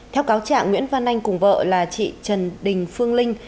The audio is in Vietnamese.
theo cáo trạng nguyễn văn anh cùng vợ là chị trần đình phương linh